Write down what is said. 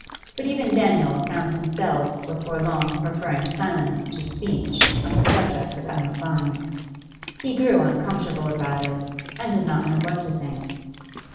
But even Daniel found himself before long preferring silence to speech on the subject of Emma Vine. He grew uncomfortable about it, and did not know what to think.